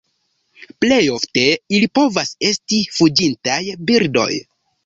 Plej ofte ili povas esti fuĝintaj birdoj.